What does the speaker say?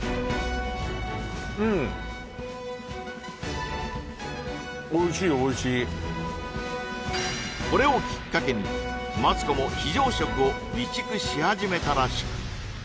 うんこれをきっかけにマツコも非常食を備蓄し始めたらしく